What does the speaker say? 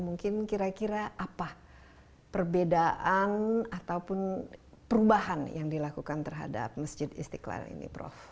mungkin kira kira apa perbedaan ataupun perubahan yang dilakukan terhadap masjid istiqlal ini prof